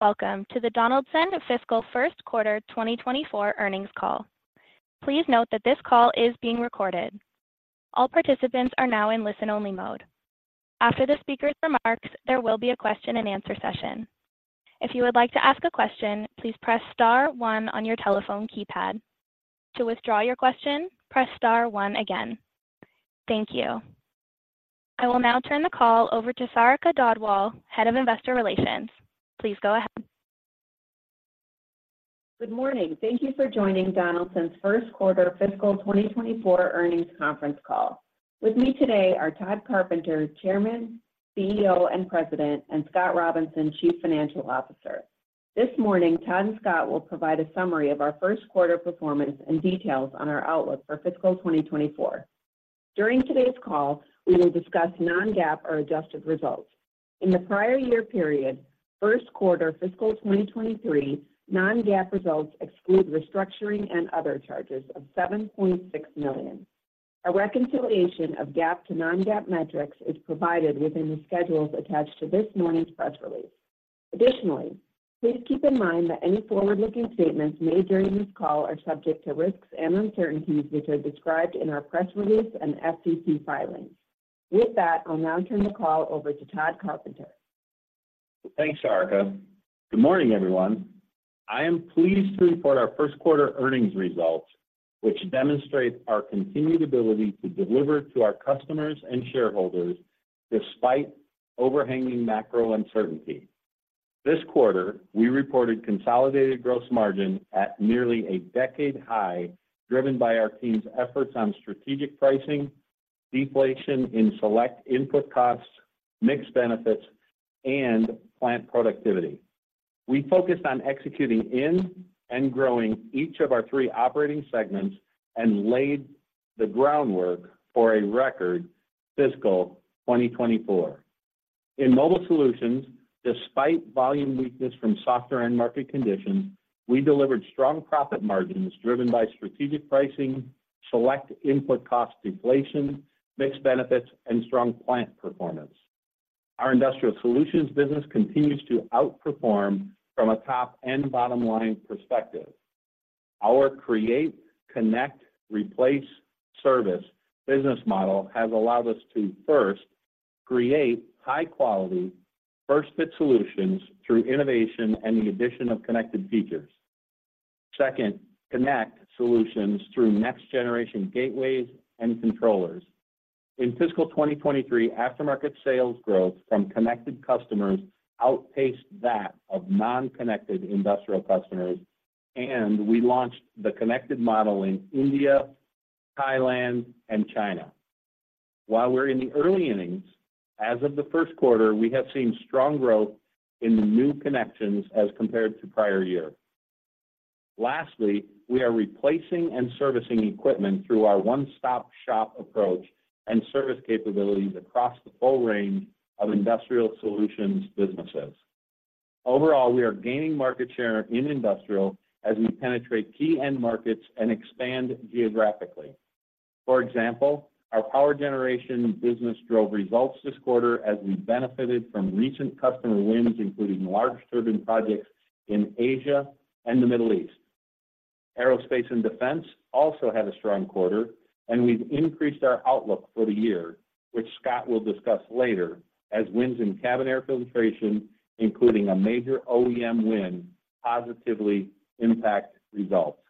Welcome to the Donaldson Fiscal First Quarter 2024 Earnings Call. Please note that this call is being recorded. All participants are now in listen-only mode. After the speaker's remarks, there will be a question-and-answer session. If you would like to ask a question, please press star one on your telephone keypad. To withdraw your question, press star one again. Thank you. I will now turn the call over to Sarika Dhadwal, Head of Investor Relations. Please go ahead. Good morning. Thank you for joining Donaldson's first quarter fiscal 2024 earnings conference call. With me today are Tod Carpenter, Chairman, CEO, and President, and Scott Robinson, Chief Financial Officer. This morning, Tod and Scott will provide a summary of our first quarter performance and details on our outlook for fiscal 2024. During today's call, we will discuss non-GAAP or adjusted results. In the prior year period, first quarter fiscal 2023, non-GAAP results exclude restructuring and other charges of $7.6 million. A reconciliation of GAAP to non-GAAP metrics is provided within the schedules attached to this morning's press release. Additionally, please keep in mind that any forward-looking statements made during this call are subject to risks and uncertainties, which are described in our press release and SEC filings. With that, I'll now turn the call over to Tod Carpenter. Thanks, Sarika. Good morning, everyone. I am pleased to report our first quarter earnings results, which demonstrate our continued ability to deliver to our customers and shareholders despite overhanging macro uncertainty. This quarter, we reported consolidated gross margin at nearly a decade high, driven by our team's efforts on strategic pricing, deflation in select input costs, mixed benefits, and plant productivity. We focused on executing in and growing each of our three operating segments and laid the groundwork for a record fiscal 2024. In Mobile Solutions, despite volume weakness from softer end market conditions, we delivered strong profit margins driven by strategic pricing, select input cost deflation, mixed benefits, and strong plant performance. Our Industrial Solutions business continues to outperform from a top and bottom line perspective. Our create, connect, replace, service business model has allowed us to, first, create high-quality, first-fit solutions through innovation and the addition of connected features. Second, connect solutions through next-generation gateways and controllers. In fiscal 2023, aftermarket sales growth from connected customers outpaced that of non-connected industrial customers, and we launched the connected model in India, Thailand, and China. While we're in the early innings, as of the first quarter, we have seen strong growth in the new connections as compared to prior year. Lastly, we are replacing and servicing equipment through our one-stop-shop approach and service capabilities across the full range of Industrial Solutions businesses. Overall, we are gaining market share in industrial as we penetrate key end markets and expand geographically. For example, our Power Generation business drove results this quarter as we benefited from recent customer wins, including large turbine projects in Asia and the Middle East. Aerospace and Defense also had a strong quarter, and we've increased our outlook for the year, which Scott will discuss later, as wins in cabin air filtration, including a major OEM win, positively impact results.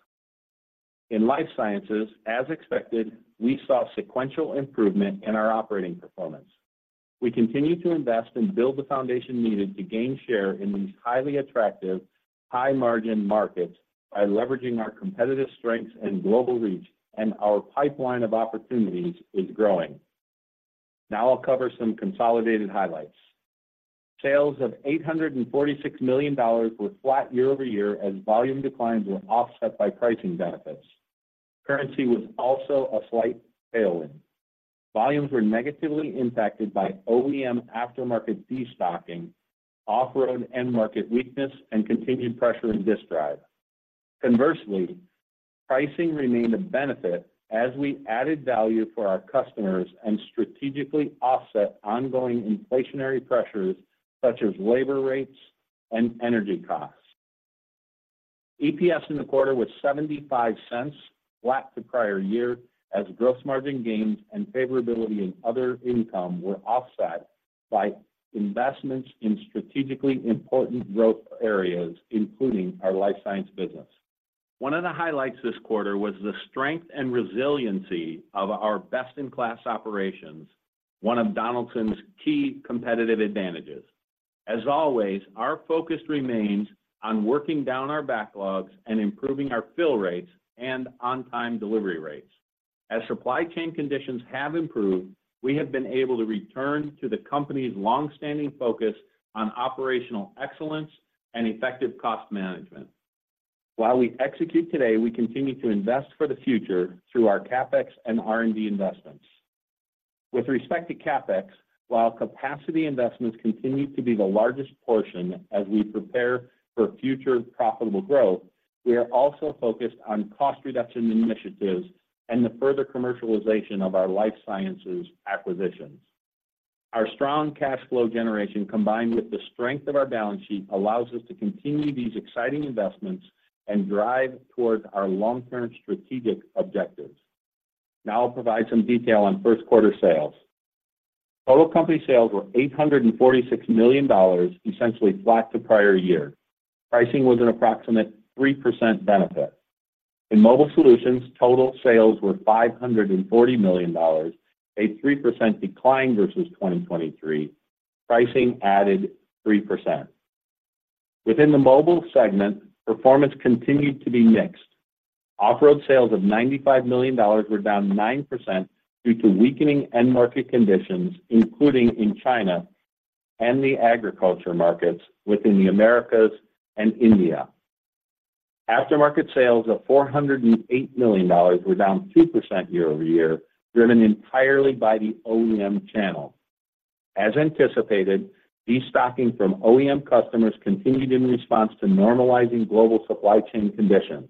In Life Sciences, as expected, we saw sequential improvement in our operating performance. We continue to invest and build the foundation needed to gain share in these highly attractive, high-margin markets by leveraging our competitive strengths and global reach, and our pipeline of opportunities is growing. Now I'll cover some consolidated highlights. Sales of $846 million were flat year-over-year as volume declines were offset by pricing benefits. Currency was also a slight tailwind. Volumes were negatively impacted by OEM aftermarket destocking, Off-Road end market weakness, and continued pressure in Disk Drive. Conversely, pricing remained a benefit as we added value for our customers and strategically offset ongoing inflationary pressures, such as labor rates and energy costs. EPS in the quarter was $0.75, flat to prior year, as gross margin gains and favorability in other income were offset by investments in strategically important growth areas, including our Life Science business. One of the highlights this quarter was the strength and resiliency of our best-in-class operations, one of Donaldson's key competitive advantages. As always, our focus remains on working down our backlogs and improving our fill rates and on-time delivery rates. As supply chain conditions have improved, we have been able to return to the company's long-standing focus on operational excellence and effective cost management. While we execute today, we continue to invest for the future through our CapEx and R&D investments. With respect to CapEx, while capacity investments continue to be the largest portion as we prepare for future profitable growth, we are also focused on cost reduction initiatives and the further commercialization of our Life Sciences acquisitions. Our strong cash flow generation, combined with the strength of our balance sheet, allows us to continue these exciting investments and drive towards our long-term strategic objectives. Now I'll provide some detail on first quarter sales. Total company sales were $846 million, essentially flat to prior year. Pricing was an approximate 3% benefit. In Mobile Solutions, total sales were $540 million, a 3% decline versus 2023. Pricing added 3%. Within the mobile segment, performance continued to be mixed. Off-road sales of $95 million were down 9% due to weakening end market conditions, including in China and the agriculture markets within the Americas and India. Aftermarket sales of $408 million were down 2% year-over-year, driven entirely by the OEM channel. As anticipated, destocking from OEM customers continued in response to normalizing global supply chain conditions.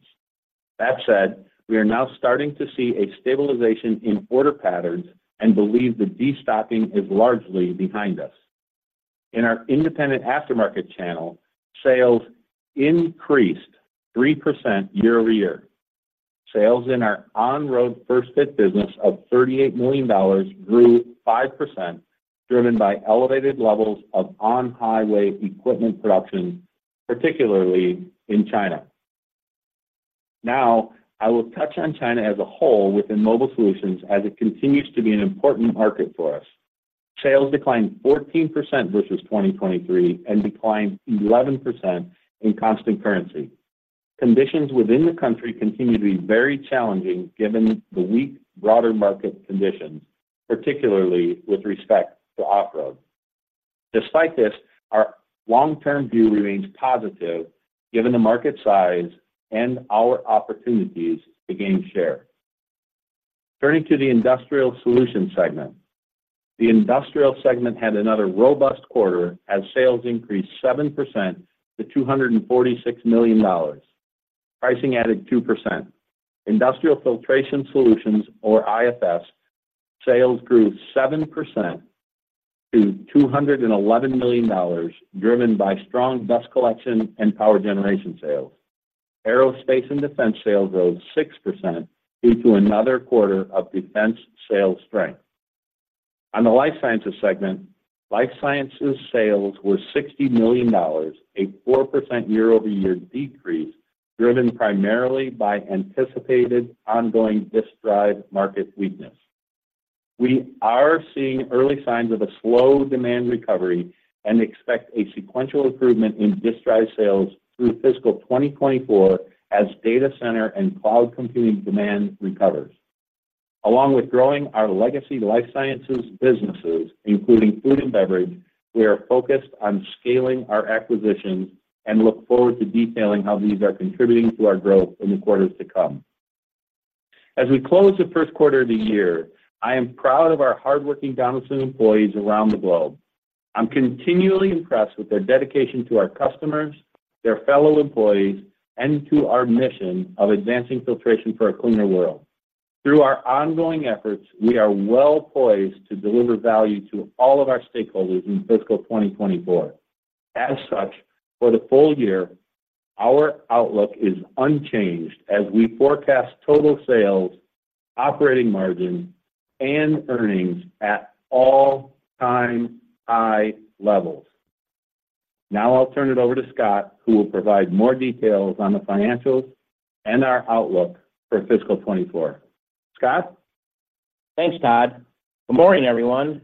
That said, we are now starting to see a stabilization in order patterns and believe that destocking is largely behind us. In our Independent Aftermarket channel, sales increased 3% year-over-year. Sales in our On-Road First Fit business of $38 million grew 5%, driven by elevated levels of on-highway equipment production, particularly in China. Now, I will touch on China as a whole within Mobile Solutions, as it continues to be an important market for us. Sales declined 14% versus 2023 and declined 11% in constant currency. Conditions within the country continue to be very challenging, given the weak broader market conditions, particularly with respect to Off-Road. Despite this, our long-term view remains positive given the market size and our opportunities to gain share. Turning to the Industrial Solutions segment. The Industrial segment had another robust quarter as sales increased 7% to $246 million. Pricing added 2%. Industrial Filtration Solutions, or IFS, sales grew 7% to $211 million, driven by strong Dust Collection and power generation sales. Aerospace and Defense sales rose 6% due to another quarter of defense sales strength. On the Life Sciences segment, Life Sciences sales were $60 million, a 4% year-over-year decrease, driven primarily by anticipated ongoing disk drive market weakness. We are seeing early signs of a slow demand recovery and expect a sequential improvement in Disk Drive sales through fiscal 2024 as data center and cloud computing demand recovers. Along with growing our legacy Life Sciences businesses, including Food and Beverage, we are focused on scaling our acquisitions and look forward to detailing how these are contributing to our growth in the quarters to come. As we close the first quarter of the year, I am proud of our hardworking Donaldson employees around the globe. I'm continually impressed with their dedication to our customers, their fellow employees, and to our mission of advancing filtration for a cleaner world. Through our ongoing efforts, we are well poised to deliver value to all of our stakeholders in fiscal 2024. As such, for the full year, our outlook is unchanged as we forecast total sales, operating margin, and earnings at all-time high levels. Now I'll turn it over to Scott, who will provide more details on the financials and our outlook for fiscal 2024. Scott? Thanks, Tod. Good morning, everyone.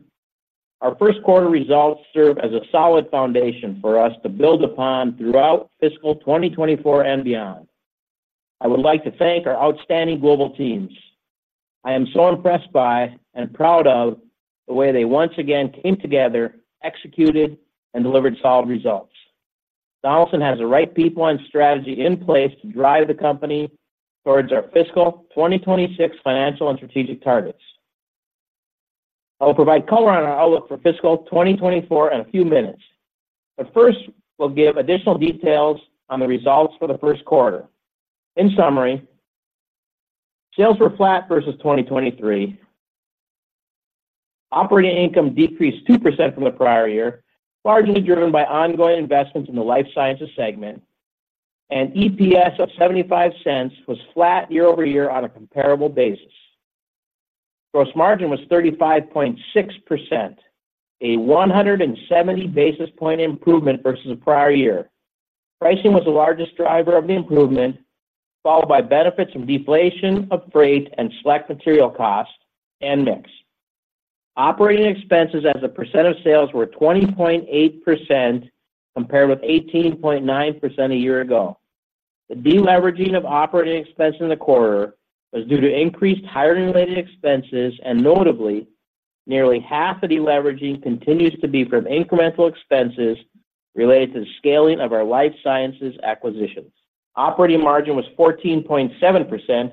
Our first quarter results serve as a solid foundation for us to build upon throughout fiscal 2024 and beyond. I would like to thank our outstanding global teams. I am so impressed by and proud of the way they once again came together, executed, and delivered solid results. Donaldson has the right people and strategy in place to drive the company towards our fiscal 2026 financial and strategic targets. I will provide color on our outlook for fiscal 2024 in a few minutes, but first, we'll give additional details on the results for the first quarter. In summary, sales were flat versus 2023. Operating income decreased 2% from the prior year, largely driven by ongoing investments in the life sciences segment, and EPS of $0.75 was flat year-over-year on a comparable basis. Gross margin was 35.6%, a 170 basis point improvement versus the prior year. Pricing was the largest driver of the improvement, followed by benefits from deflation of freight and select material costs, and mix. Operating expenses as a percent of sales were 20.8%, compared with 18.9% a year ago. The deleveraging of operating expense in the quarter was due to increased hiring-related expenses, and notably, nearly half the deleveraging continues to be from incremental expenses related to the scaling of our life sciences acquisitions. Operating margin was 14.7%,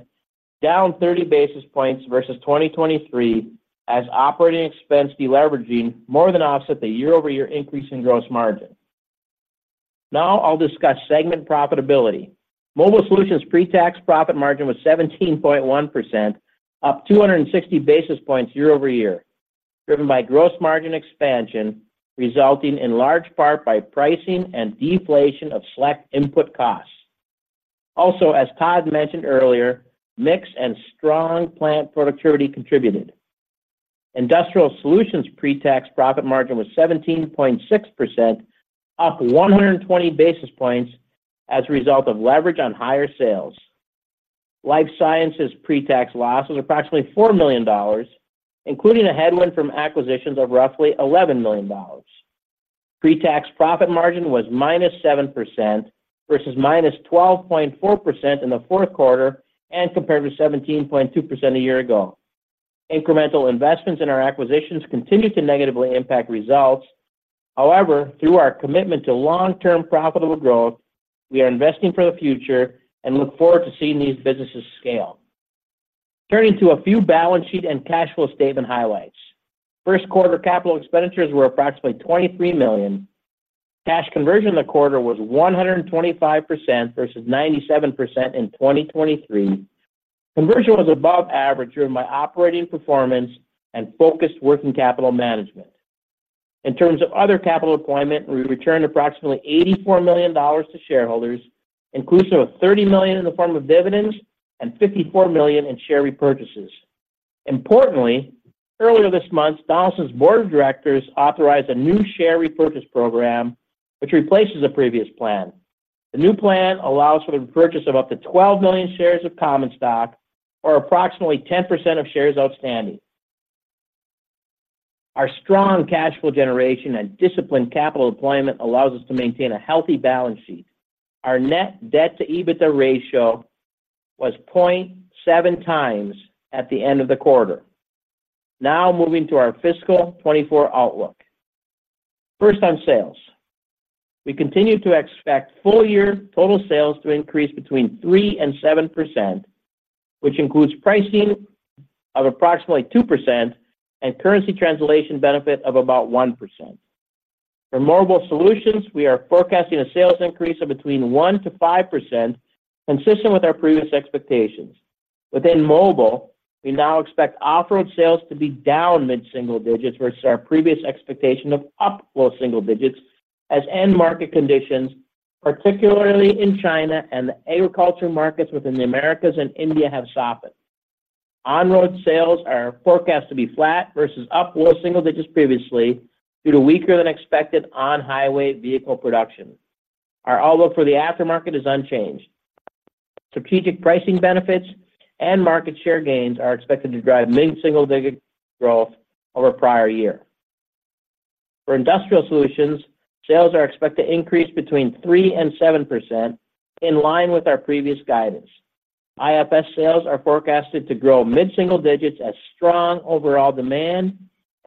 down 30 basis points versus 2023, as operating expense deleveraging more than offset the year-over-year increase in gross margin.... Now I'll discuss segment profitability. Mobile Solutions' pretax profit margin was 17.1%, up 260 basis points year-over-year, driven by gross margin expansion, resulting in large part by pricing and deflation of select input costs. Also, as Tod mentioned earlier, mix and strong plant productivity contributed. Industrial Solutions' pretax profit margin was 17.6%, up 120 basis points as a result of leverage on higher sales. Life Sciences' pretax loss was approximately $4 million, including a headwind from acquisitions of roughly $11 million. Pretax profit margin was -7% versus -12.4% in the fourth quarter and compared to 17.2% a year ago. Incremental investments in our acquisitions continue to negatively impact results. However, through our commitment to long-term profitable growth, we are investing for the future and look forward to seeing these businesses scale. Turning to a few balance sheet and cash flow statement highlights. First quarter capital expenditures were approximately $23 million. Cash conversion in the quarter was 125% versus 97% in 2023. Conversion was above average, driven by operating performance and focused working capital management. In terms of other capital deployment, we returned approximately $84 million to shareholders, inclusive of $30 million in the form of dividends and $54 million in share repurchases. Importantly, earlier this month, Donaldson's board of directors authorized a new share repurchase program, which replaces the previous plan. The new plan allows for the purchase of up to 12 million shares of common stock or approximately 10% of shares outstanding. Our strong cash flow generation and disciplined capital deployment allows us to maintain a healthy balance sheet. Our net debt to EBITDA ratio was 0.7x at the end of the quarter. Now moving to our fiscal 2024 outlook. First, on sales. We continue to expect full year total sales to increase 3%-7%, which includes pricing of approximately 2% and currency translation benefit of about 1%. For Mobile Solutions, we are forecasting a sales increase of 1%-5%, consistent with our previous expectations. Within Mobile, we now expect off-road sales to be down mid-single digits versus our previous expectation of up low double-digit as end market conditions, particularly in China and the agriculture markets within the Americas and India, have softened. On-Road sales are forecast to be flat versus up low single digits previously, due to weaker than expected on-highway vehicle production. Our outlook for the Aftermarket is unchanged. Strategic pricing benefits and market share gains are expected to drive mid-single-digit growth over prior year. For Industrial Solutions, sales are expected to increase between 3% and 7%, in line with our previous guidance. IFS sales are forecasted to grow mid-single digits as strong overall demand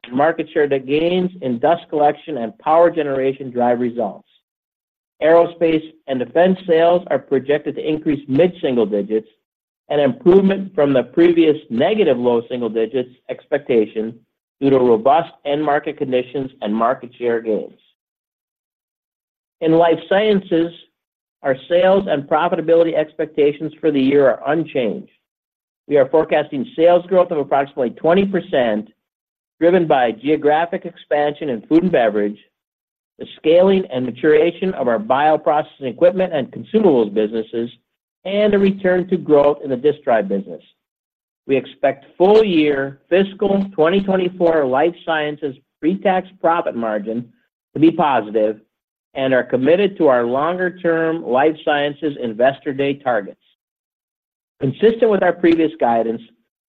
and market share gains in Dust Collection and Power Generation drive results. Aerospace and Defense sales are projected to increase mid-single digits, an improvement from the previous negative low single digits expectation due to robust end-market conditions and market share gains. In Life Sciences, our sales and profitability expectations for the year are unchanged. We are forecasting sales growth of approximately 20%, driven by geographic expansion in Food and Beverage, the scaling and maturation of our bioprocessing equipment and consumables businesses, and a return to growth in the Disk Drive business. We expect full year fiscal 2024 Life Sciences pretax profit margin to be positive and are committed to our longer-term Life Sciences Investor Day targets. Consistent with our previous guidance,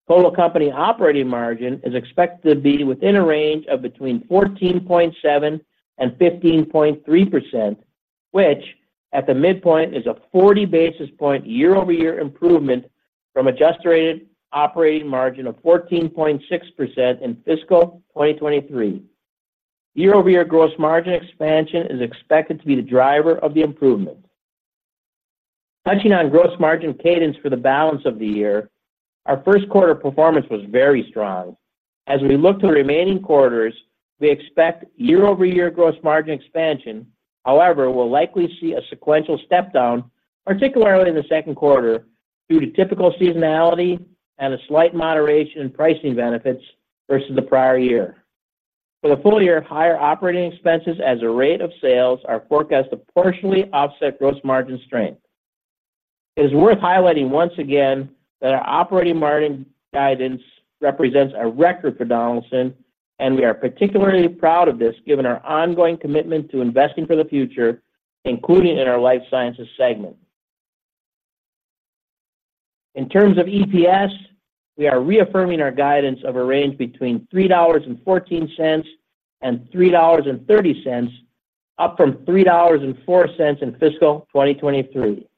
total company operating margin is expected to be within a range of between 14.7% and 15.3%, which at the midpoint is a 40 basis point year-over-year improvement from adjusted operating margin of 14.6% in fiscal 2023. Year-over-year gross margin expansion is expected to be the driver of the improvement. Touching on gross margin cadence for the balance of the year, our first quarter performance was very strong. As we look to the remaining quarters, we expect year-over-year gross margin expansion. However, we'll likely see a sequential step down, particularly in the second quarter, due to typical seasonality and a slight moderation in pricing benefits versus the prior year. For the full year, higher operating expenses as a rate of sales are forecast to partially offset gross margin strength. It is worth highlighting once again that our operating margin guidance represents a record for Donaldson, and we are particularly proud of this, given our ongoing commitment to investing for the future, including in our Life Sciences segment. In terms of EPS, we are reaffirming our guidance of a range between $3.14 and $3.30, up from $3.04 in fiscal 2023.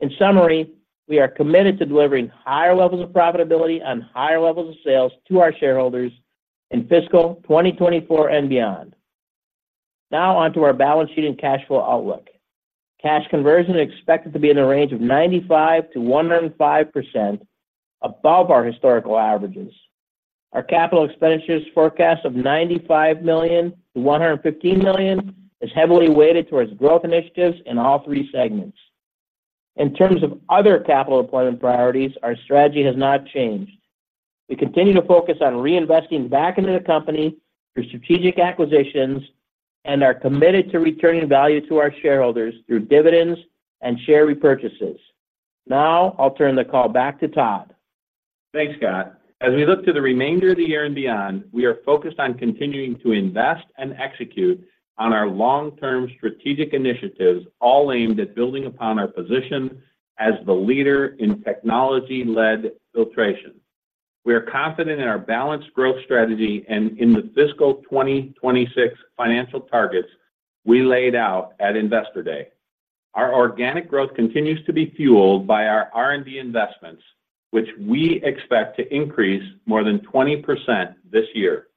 In summary, we are committed to delivering higher levels of profitability on higher levels of sales to our shareholders in fiscal 2024 and beyond. Now on to our balance sheet and cash flow outlook. Cash conversion is expected to be in the range of 95%-105% above our historical averages.... Our capital expenditures forecast of $95 million-$115 million is heavily weighted towards growth initiatives in all three segments. In terms of other capital deployment priorities, our strategy has not changed. We continue to focus on reinvesting back into the company through strategic acquisitions, and are committed to returning value to our shareholders through dividends and share repurchases. Now, I'll turn the call back to Tod. Thanks, Scott. As we look to the remainder of the year and beyond, we are focused on continuing to invest and execute on our long-term strategic initiatives, all aimed at building upon our position as the leader in technology-led filtration. We are confident in our balanced growth strategy and in the fiscal 2026 financial targets we laid out at Investor Day. Our organic growth continues to be fueled by our R&D investments, which we expect to increase more than 20% this year.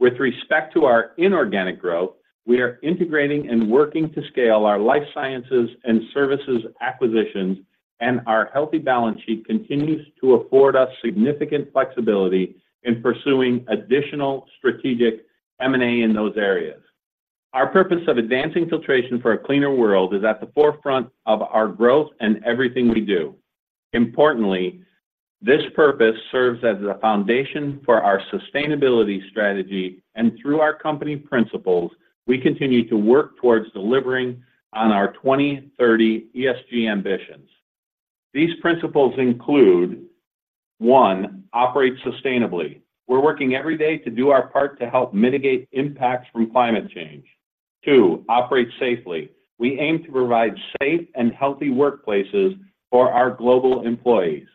With respect to our inorganic growth, we are integrating and working to scale our life sciences and services acquisitions, and our healthy balance sheet continues to afford us significant flexibility in pursuing additional strategic M&A in those areas. Our purpose of advancing filtration for a cleaner world is at the forefront of our growth and everything we do. Importantly, this purpose serves as the foundation for our sustainability strategy, and through our company principles, we continue to work towards delivering on our 2030 ESG ambitions. These principles include, one, operate sustainably. We're working every day to do our part to help mitigate impacts from climate change. Two, operate safely. We aim to provide safe and healthy workplaces for our global employees.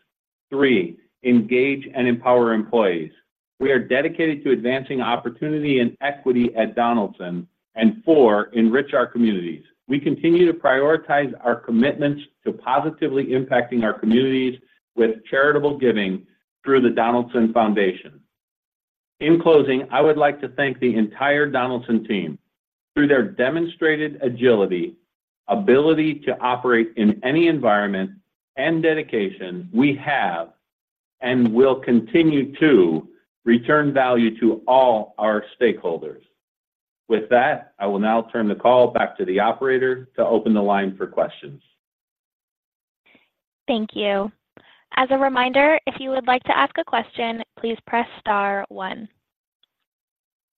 Three, engage and empower employees. We are dedicated to advancing opportunity and equity at Donaldson. And four, enrich our communities. We continue to prioritize our commitments to positively impacting our communities with charitable giving through the Donaldson Foundation. In closing, I would like to thank the entire Donaldson team. Through their demonstrated agility, ability to operate in any environment, and dedication, we have and will continue to return value to all our stakeholders. With that, I will now turn the call back to the operator to open the line for questions. Thank you. As a reminder, if you would like to ask a question, please press star one.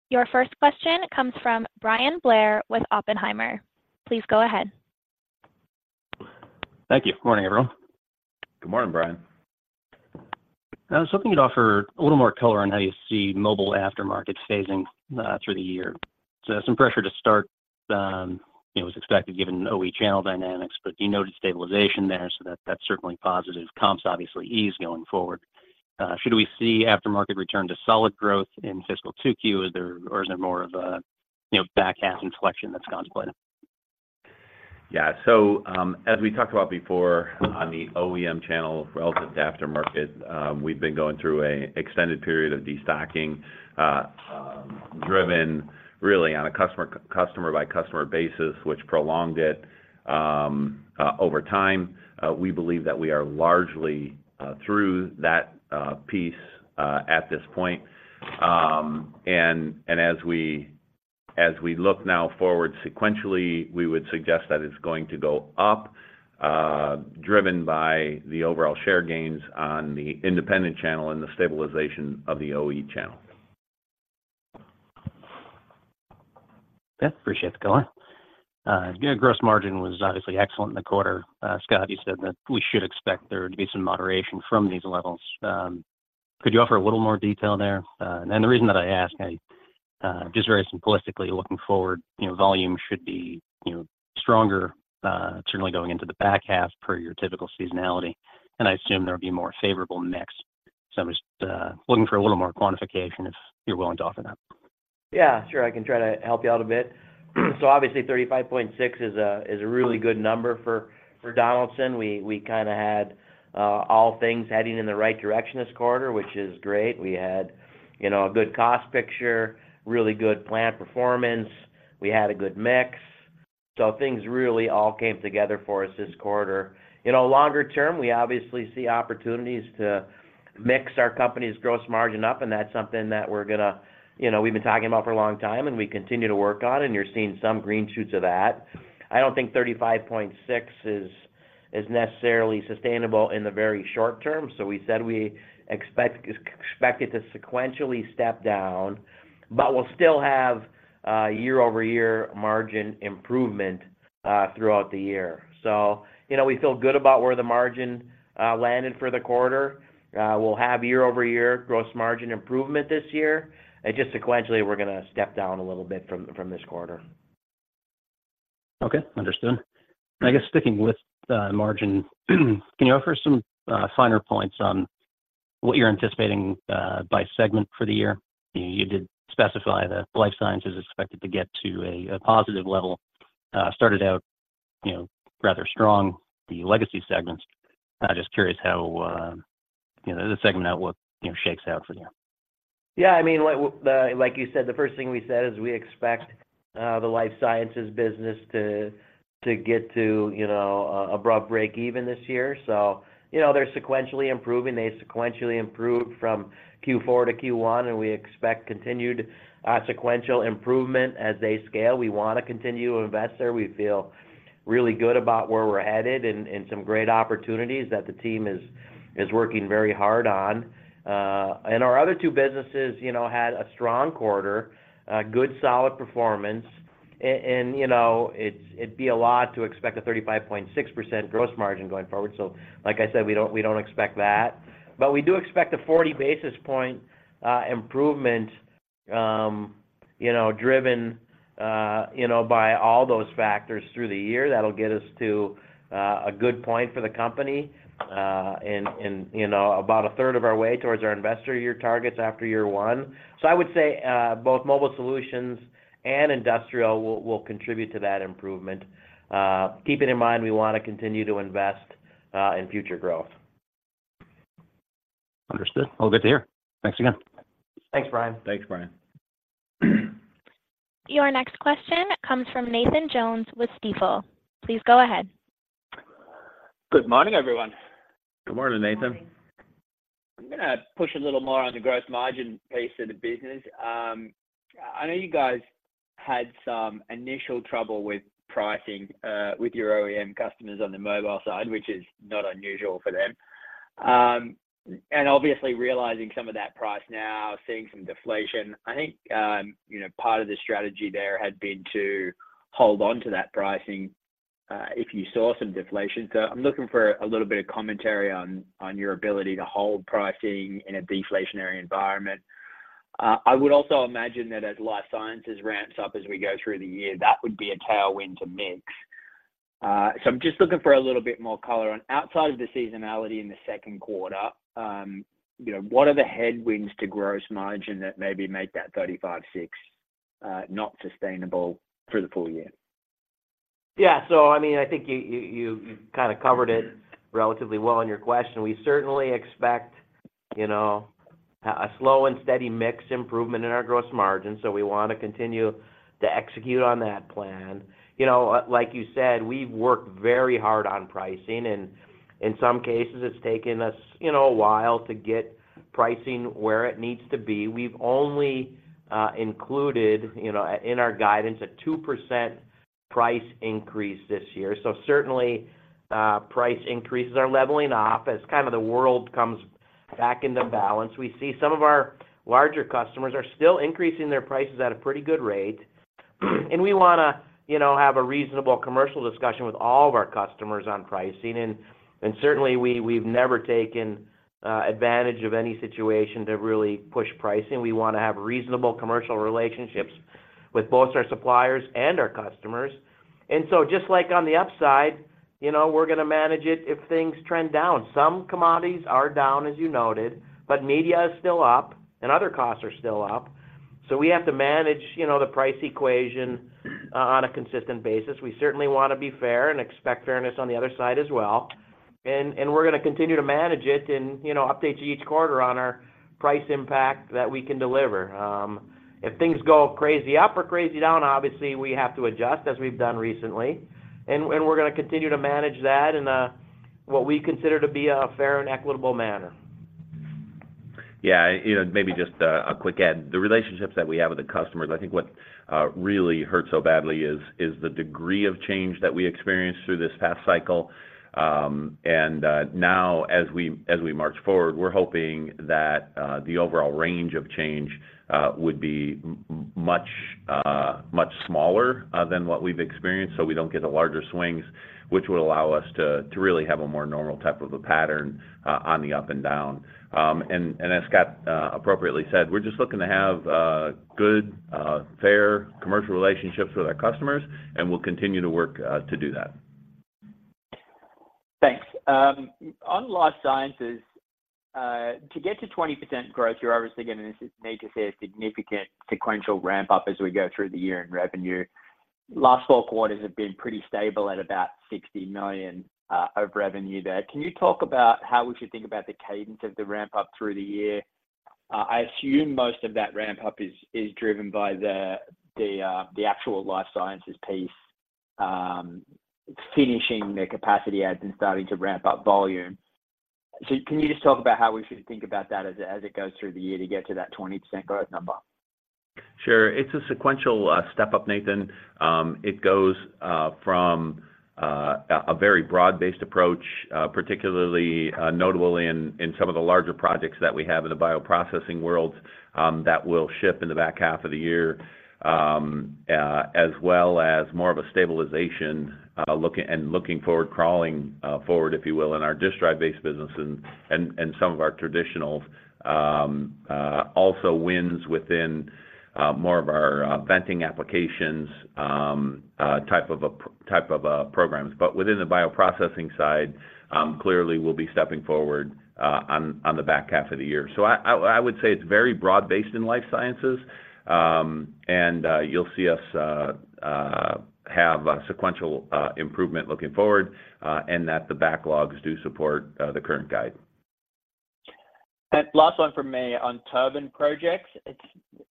Your first question comes from Bryan Blair with Oppenheimer. Please go ahead. Thank you. Good morning, everyone. Good morning, Brian. I was hoping you'd offer a little more color on how you see mobile aftermarket phasing through the year. So some pressure to start, it was expected, given OE channel dynamics, but you noted stabilization there, so that's certainly positive. Comps obviously ease going forward. Should we see aftermarket return to solid growth in fiscal 2Q? Or is there more of a, you know, back half inflection that's contemplated? Yeah. So, as we talked about before, on the OEM channel relative to aftermarket, we've been going through a extended period of destocking, driven really on a customer, customer-by-customer basis, which prolonged it over time. We believe that we are largely through that piece at this point. And as we look now forward sequentially, we would suggest that it's going to go up, driven by the overall share gains on the independent channel and the stabilization of the OE channel. Yeah. Appreciate the color. Yeah, gross margin was obviously excellent in the quarter. Scott, you said that we should expect there to be some moderation from these levels. Could you offer a little more detail there? And the reason that I ask, I just very simplistically looking forward, you know, volume should be, you know, stronger, certainly going into the back half per your typical seasonality, and I assume there would be more favorable mix. So I'm just looking for a little more quantification, if you're willing to offer that. Yeah, sure. I can try to help you out a bit. So obviously, 35.6% is a really good number for Donaldson. We kinda had all things heading in the right direction this quarter, which is great. We had, you know, a good cost picture, really good plant performance. We had a good mix, so things really all came together for us this quarter. You know, longer term, we obviously see opportunities to mix our company's gross margin up, and that's something that we're gonna... You know, we've been talking about for a long time, and we continue to work on, and you're seeing some green shoots of that. I don't think 35.6% is necessarily sustainable in the very short term, so we said we expect it to sequentially step down, but we'll still have year-over-year margin improvement throughout the year. So, you know, we feel good about where the margin landed for the quarter. We'll have year-over-year gross margin improvement this year, and just sequentially, we're gonna step down a little bit from this quarter. Okay, understood. I guess sticking with margin, can you offer some finer points on what you're anticipating by segment for the year? You did specify that life sciences is expected to get to a positive level. Started out, you know, rather strong, the legacy segments. Just curious how, you know, the segment outlook, you know, shakes out for you. Yeah, I mean, like you said, the first thing we said is we expect the life sciences business to get to, you know, above breakeven this year. So, you know, they're sequentially improving. They sequentially improved from Q4 to Q1, and we expect continued sequential improvement as they scale. We wanna continue to invest there. We feel really good about where we're headed and some great opportunities that the team is working very hard on. And our other two businesses, you know, had a strong quarter, a good solid performance. And, you know, it'd be a lot to expect a 35.6% gross margin going forward. So like I said, we don't expect that. But we do expect a 40 basis point improvement, you know, driven by all those factors through the year. That'll get us to a good point for the company, and you know, about a third of our way towards our investor year targets after year one. So I would say, both mobile solutions and industrial will contribute to that improvement. Keeping in mind, we wanna continue to invest in future growth. Understood. All good to hear. Thanks again. Thanks, Brian. Thanks, Brian. Your next question comes from Nathan Jones with Stifel. Please go ahead. Good morning, everyone. Good morning, Nathan. Good morning. I'm gonna push a little more on the gross margin piece of the business. I know you guys had some initial trouble with pricing, with your OEM customers on the mobile side, which is not unusual for them. And obviously, realizing some of that price now, seeing some deflation, I think, you know, part of the strategy there had been to hold on to that pricing, if you saw some deflation. So I'm looking for a little bit of commentary on your ability to hold pricing in a deflationary environment. I would also imagine that as life sciences ramps up as we go through the year, that would be a tailwind to mix. I'm just looking for a little bit more color on, outside of the seasonality in the second quarter, you know, what are the headwinds to gross margin that maybe make that 35.6%, not sustainable through the full year? Yeah. So I mean, I think you kind of covered it relatively well in your question. We certainly expect, you know, a slow and steady mix improvement in our gross margin, so we wanna continue to execute on that plan. You know, like you said, we've worked very hard on pricing, and in some cases, it's taken us, you know, a while to get pricing where it needs to be. We've only included, you know, in our guidance, a 2% price increase this year. So certainly, price increases are leveling off as kind of the world comes back into balance. We see some of our larger customers are still increasing their prices at a pretty good rate. We wanna, you know, have a reasonable commercial discussion with all of our customers on pricing, and certainly we, we've never taken advantage of any situation to really push pricing. We wanna have reasonable commercial relationships with both our suppliers and our customers. And so just like on the upside, you know, we're gonna manage it if things trend down. Some commodities are down, as you noted, but media is still up and other costs are still up. So we have to manage, you know, the price equation on a consistent basis. We certainly wanna be fair and expect fairness on the other side as well. And we're gonna continue to manage it and, you know, update you each quarter on our price impact that we can deliver. If things go crazy up or crazy down, obviously, we have to adjust, as we've done recently. And we're gonna continue to manage that in a, what we consider to be a fair and equitable manner. Yeah, you know, maybe just a quick add. The relationships that we have with the customers, I think what really hurts so badly is the degree of change that we experienced through this past cycle. And now, as we march forward, we're hoping that the overall range of change would be much smaller than what we've experienced, so we don't get the larger swings, which would allow us to really have a more normal type of a pattern on the up and down. And as Scott appropriately said, we're just looking to have good fair commercial relationships with our customers, and we'll continue to work to do that. Thanks. On life sciences, to get to 20% growth, you're obviously gonna need to see a significant sequential ramp-up as we go through the year in revenue. Last four quarters have been pretty stable at about $60 million of revenue there. Can you talk about how we should think about the cadence of the ramp-up through the year? I assume most of that ramp-up is driven by the actual life sciences piece finishing their capacity adds and starting to ramp up volume. So can you just talk about how we should think about that as it goes through the year to get to that 20% growth number? Sure. It's a sequential step-up, Nathan. It goes from a very broad-based approach, particularly notably in some of the larger projects that we have in the bioprocessing world, that will ship in the back half of the year. As well as more of a stabilization, looking forward, crawling forward, if you will, in our disk drive-based business and some of our traditionals. Also wins within more of our venting applications, type of programs. But within the bioprocessing side, clearly, we'll be stepping forward on the back half of the year. So I would say it's very broad-based in life sciences. And, you'll see us have a sequential improvement looking forward, and that the backlogs do support the current guide. Last one from me on turbine projects. It's,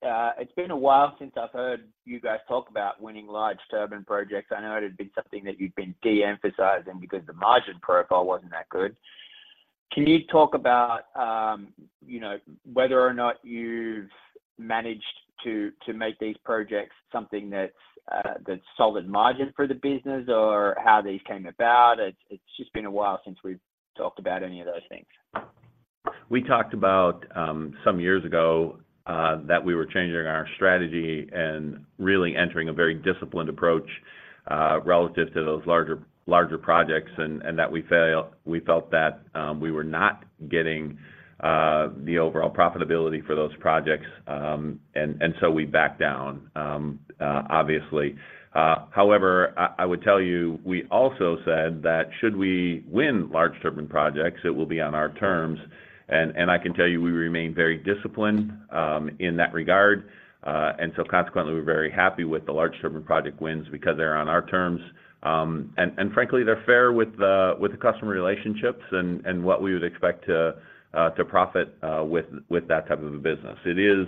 it's been a while since I've heard you guys talk about winning large turbine projects. I know it had been something that you'd been de-emphasizing because the margin profile wasn't that good. Can you talk about, you know, whether or not you've managed to make these projects something that's solid margin for the business or how these came about? It's, it's just been a while since we've talked about any of those things. We talked about some years ago that we were changing our strategy and really entering a very disciplined approach relative to those larger, larger projects, and that we felt that we were not getting the overall profitability for those projects. And so we backed down obviously. However, I would tell you, we also said that should we win large turbine projects, it will be on our terms, and I can tell you, we remain very disciplined in that regard. And so consequently, we're very happy with the large turbine project wins because they're on our terms. And frankly, they're fair with the customer relationships and what we would expect to profit with that type of a business. It is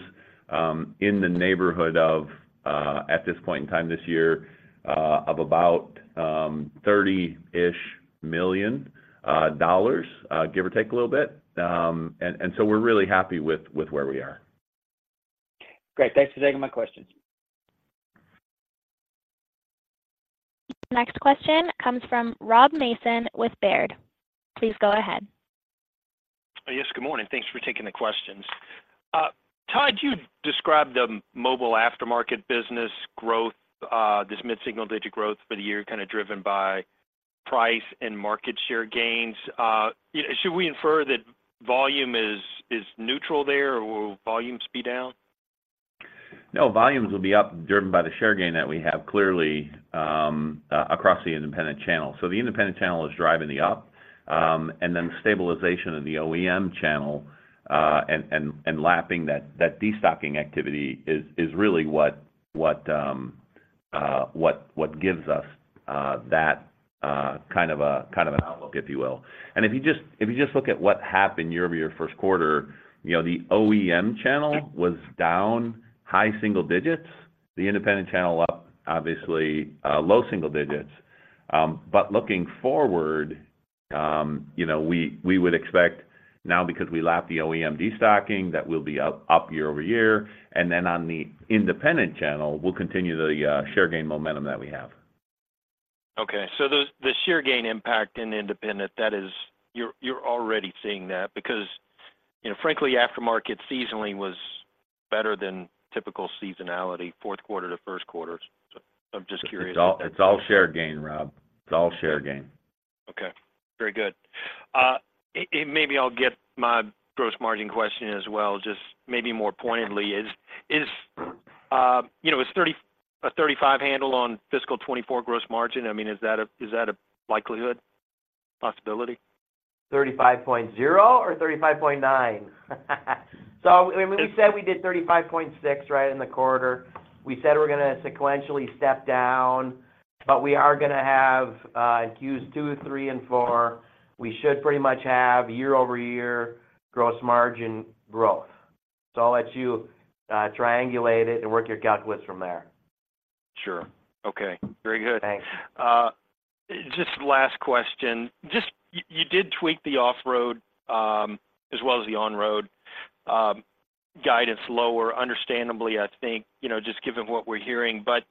in the neighborhood of, at this point in time this year, of about $30-ish million, give or take a little bit. And so we're really happy with where we are. Great. Thanks for taking my questions. Next question comes from Rob Mason with Baird. Please go ahead. Yes, good morning. Thanks for taking the questions. Tod, you described the mobile aftermarket business growth, this mid-single-digit growth for the year, kind of driven by price and market share gains. You know, should we infer that volume is neutral there, or will volumes be down? No, volumes will be up, driven by the share gain that we have clearly across the independent channel. So the independent channel is driving the up and then the stabilization of the OEM channel and lapping that destocking activity is really what gives us that kind of an outlook, if you will. And if you just look at what happened year-over-year, first quarter, you know, the OEM channel was down high single digits. The independent channel up, obviously, low single digits. But looking forward, you know, we would expect now because we lapped the OEM destocking, that we'll be up year-over-year, and then on the independent channel, we'll continue the share gain momentum that we have. Okay. So the share gain impact in independent, that is... You're already seeing that because, you know, frankly, aftermarket seasoning was better than typical seasonality, fourth quarter to first quarter. So I'm just curious- It's all, it's all share gain, Rob. It's all share gain. Okay, very good. And maybe I'll get my gross margin question as well, just maybe more pointedly. You know, is a 35 handle on fiscal 2024 gross margin, I mean, is that a likelihood possibility? 35.0% or 35.9%? So when we said we did 35.6% right in the quarter, we said we're gonna sequentially step down, but we are gonna have in Q2, Q3, and Q4, we should pretty much have year-over-year gross margin growth. So I'll let you triangulate it and work your gut widths from there. Sure. Okay, very good. Thanks. Just last question. Just, you did tweak the Off-Road, as well as the On-Road, guidance lower, understandably, I think, you know, just given what we're hearing. But, you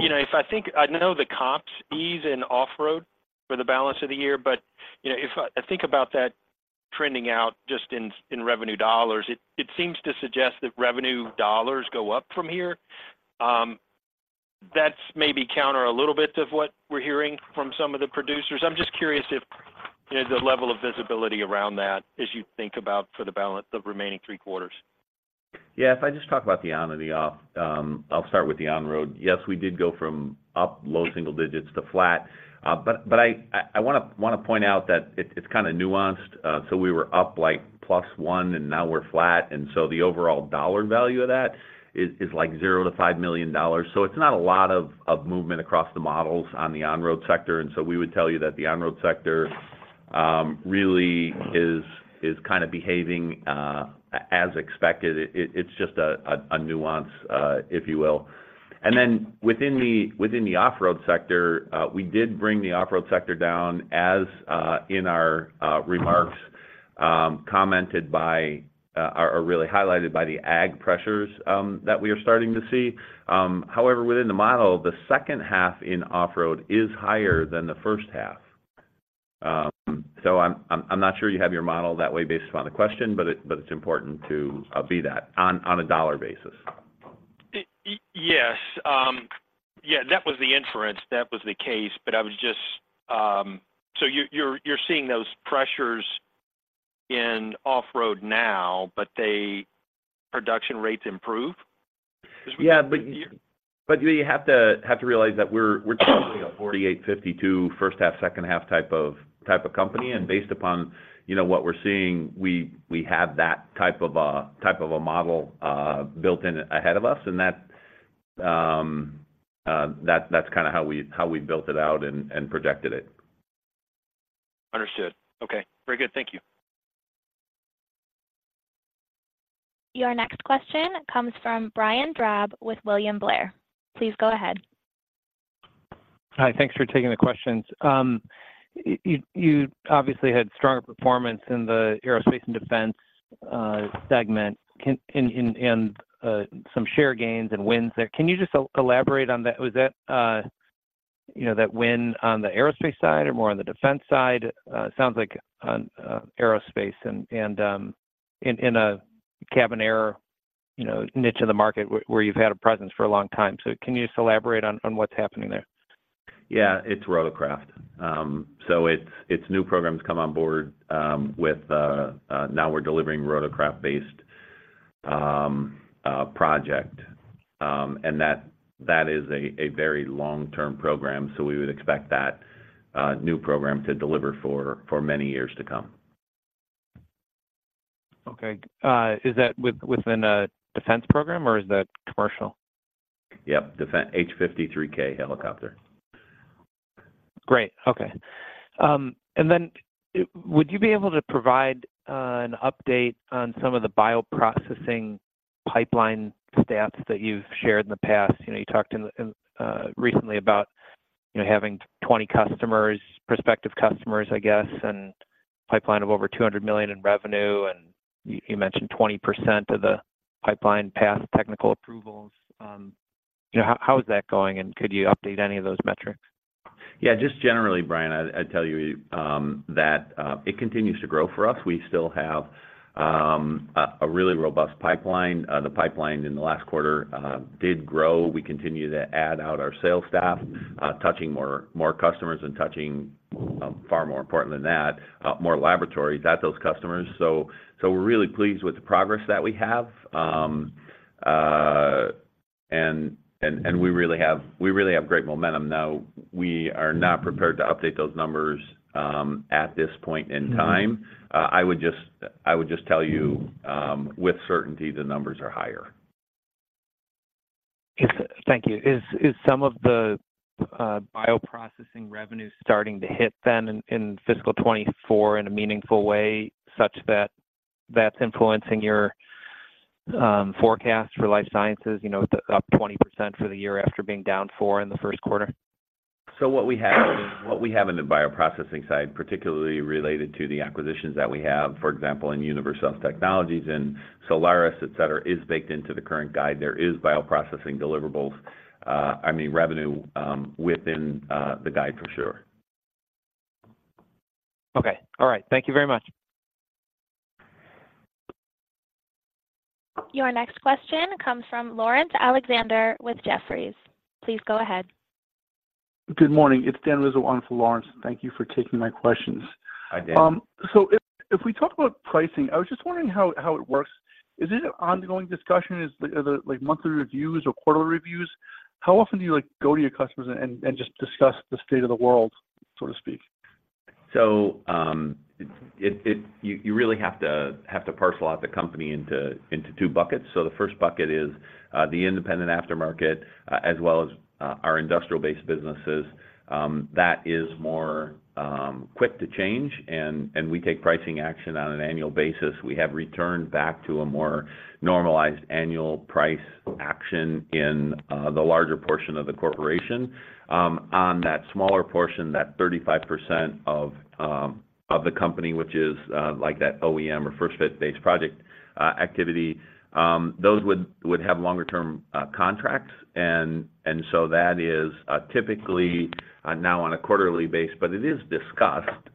know, if I think—I know the comps ease in Off-Road for the balance of the year, but, you know, if I think about that trending out just in revenue dollars, it seems to suggest that revenue dollars go up from here. That's maybe counter a little bit of what we're hearing from some of the producers. I'm just curious if there's a level of visibility around that as you think about for the balance—the remaining three quarters. Yeah. If I just talk about the on-road and the off-road, I'll start with the on-road. Yes, we did go from up low single digits to flat, but I wanna point out that it's kind of nuanced. So we were up like plus 1, and now we're flat, and so the overall dollar value of that is like $0-$5 million. So it's not a lot of movement across the models on the on-road sector, and so we would tell you that the on-road sector really is kind of behaving as expected. It's just a nuance, if you will. And then within the off-road sector, we did bring the off-road sector down as in our remarks, commented by, or really highlighted by the ag pressures, that we are starting to see. However, within the model, the second half in off-road is higher than the first half. So I'm not sure you have your model that way based upon the question, but it's important to be that on a dollar basis. Yes. Yeah, that was the inference. That was the case, but I was just... So you're seeing those pressures in Off-Road now, but they production rates improve? Yeah, but you have to realize that we're typically a 48-52 first half-second half type of company, and based upon, you know, what we're seeing, we have that type of a model built in ahead of us, and that's kinda how we built it out and projected it. Understood. Okay, very good. Thank you. Your next question comes from Brian Drab with William Blair. Please go ahead. Hi, thanks for taking the questions. You obviously had stronger performance in the Aerospace and Defense segment and some share gains and wins there. Can you just elaborate on that? Was that, you know, that win on the aerospace side or more on the defense side? It sounds like on aerospace and in a cabin air niche in the market where you've had a presence for a long time. So can you just elaborate on what's happening there? Yeah, it's rotorcraft. So it's new programs come on board with now we're delivering rotorcraft-based project. And that is a very long-term program, so we would expect that new program to deliver for many years to come. Okay. Is that within a defense program or is that commercial? Yep, defense, CH-53K helicopter. Great, okay. And then would you be able to provide an update on some of the bioprocessing pipeline stats that you've shared in the past? You know, you talked in recently about, you know, having 20 customers, prospective customers, I guess, and pipeline of over $200 million in revenue, and you mentioned 20% of the pipeline passed technical approvals. You know, how is that going, and could you update any of those metrics? Yeah, just generally, Brian, I'd tell you that it continues to grow for us. We still have a really robust pipeline. The pipeline in the last quarter did grow. We continue to add out our sales staff, touching more customers and touching, far more important than that, more laboratories at those customers. So we're really pleased with the progress that we have. We really have great momentum. Now, we are not prepared to update those numbers at this point in time. I would just tell you, with certainty, the numbers are higher. Yes, thank you. Is some of the bioprocessing revenue starting to hit then in fiscal 2024 in a meaningful way, such that that's influencing your forecast for life sciences, you know, up 20% for the year after being down 4% in the first quarter? So what we have, what we have in the bioprocessing side, particularly related to the acquisitions that we have, for example, in Univercells Technologies and Solaris, et cetera, is baked into the current guide. There is bioprocessing deliverables, I mean, revenue, within the guide for sure. Okay. All right. Thank you very much. Your next question comes from Laurence Alexander with Jefferies. Please go ahead. Good morning, it's Dan Rizzo on for Laurence. Thank you for taking my questions. Hi, Dan. If we talk about pricing, I was just wondering how it works. Is it an ongoing discussion? Are there, like, monthly reviews or quarterly reviews? How often do you, like, go to your customers and just discuss the state of the world, so to speak? So, you really have to parcel out the company into two buckets. So the first bucket is the independent Aftermarket as well as our industrial-based businesses. That is more quick to change, and we take pricing action on an annual basis. We have returned back to a more normalized annual price action in the larger portion of the corporation. On that smaller portion, that 35% of the company, which is like that OEM or First Fit-based project activity, those would have longer-term contracts. So that is typically now on a quarterly basis, but it is discussed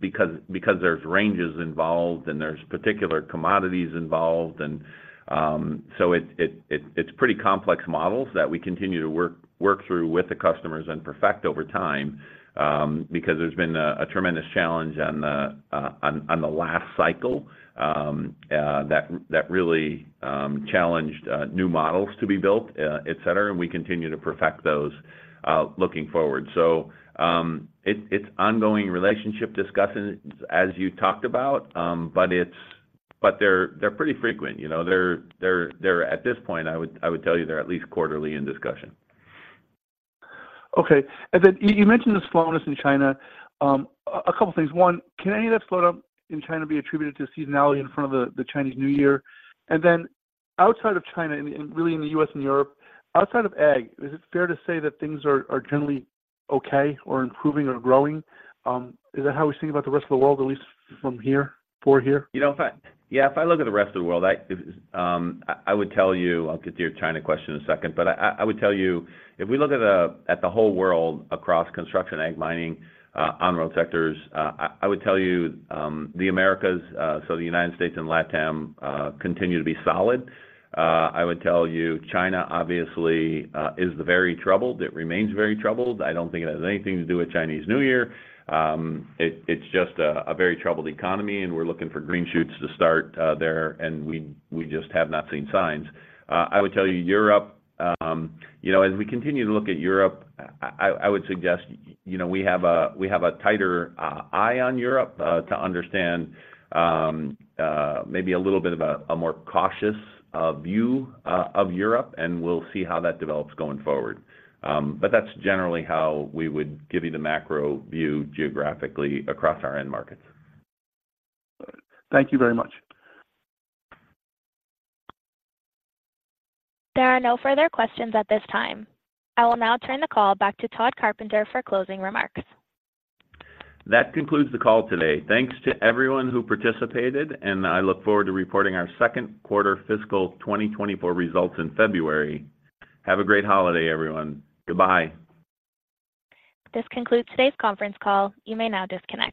because there's ranges involved and there's particular commodities involved. It's pretty complex models that we continue to work through with the customers and perfect over time, because there's been a tremendous challenge on the last cycle that really challenged new models to be built, et cetera, and we continue to perfect those, looking forward. So, it's ongoing relationship discussions as you talked about, but they're... At this point, I would tell you they're at least quarterly in discussion. Okay. And then you mentioned the slowness in China. A couple things. One, can any of that slowdown in China be attributed to seasonality in front of the Chinese New Year? And then outside of China, and really in the US and Europe, outside of AG, is it fair to say that things are generally okay or improving or growing? Is that how we think about the rest of the world, at least from here, for here? You know, if I, yeah, if I look at the rest of the world, I would tell you, I'll get to your China question in a second, but I would tell you, if we look at the whole world across construction, ag, mining, on-road sectors, I would tell you, the Americas, so the United States and LatAm, continue to be solid. I would tell you, China obviously is very troubled. It remains very troubled. I don't think it has anything to do with Chinese New Year. It's just a very troubled economy, and we're looking for green shoots to start there, and we just have not seen signs. I would tell you, Europe, you know, as we continue to look at Europe, I would suggest, you know, we have a tighter eye on Europe, to understand, maybe a little bit of a more cautious view of Europe, and we'll see how that develops going forward. But that's generally how we would give you the macro view geographically across our end markets. Thank you very much. There are no further questions at this time. I will now turn the call back to Tod Carpenter for closing remarks. That concludes the call today. Thanks to everyone who participated, and I look forward to reporting our second quarter fiscal 2024 results in February. Have a great holiday, everyone. Goodbye. This concludes today's conference call. You may now disconnect.